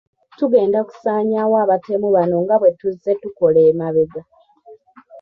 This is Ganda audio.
Tugenda kusaanyaawo abatemu bano nga bwe tuzze tukola emabega.